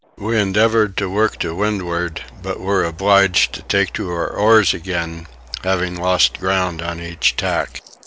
We endeavoured to work to windward but were obliged to take to our oars again, having lost ground on each tack.